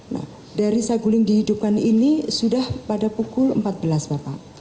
nah dari saguling dihidupkan ini sudah pada pukul empat belas bapak